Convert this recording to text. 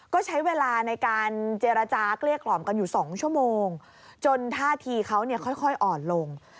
ก็ใช้เวลาในการเจรจาเกลี้ยกล่อมกันอยู่๒ชั่วโมงจนท่าทีเขาเนี่ยค่อยอ่อนลง